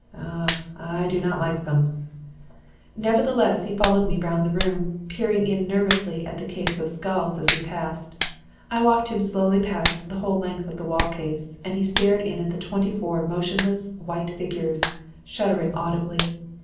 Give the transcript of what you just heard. Ah, I do not like them!' "Nevertheless he followed me round the room, peering in nervously at the case of skulls as we passed. I walked him slowly past the whole length of the wall case and he stared in at the twenty four motionless, white figures, shuddering audibly.